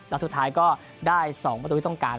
แล้วสุดท้ายก็ได้๒ประตูที่ต้องการ